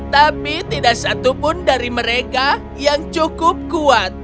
tapi tidak satupun dari mereka yang cukup kuat